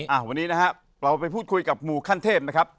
อ่าวันนี้นะครับเราไปพูดคุยกับหมู่ขั้นเทพนะครับ